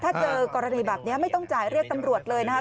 ถ้าเจอกรณีแบบนี้ไม่ต้องจ่ายเรียกตำรวจเลยนะครับ